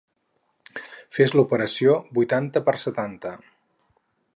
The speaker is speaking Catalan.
Fes l'operació vuitanta per setanta.